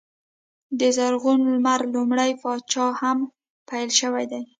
د زرغون لمر لومړي پاچا څخه پیل شوی دی.